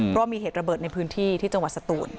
เพราะมีเหตุระเบิดในพื้นที่ที่จังหวัดสตูน